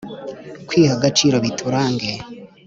kwiha agaciro biturange